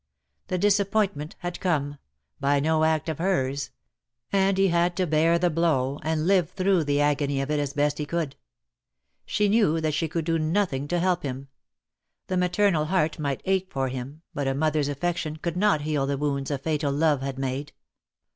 The disappointment had come, by no act of hers; and he had to bear the blow, and live through the agony of it as best he could. She knew that she could do nothing to help him. The maternal heart might ache for him, but a mother's affection could not heal the wounds a fatal love had made.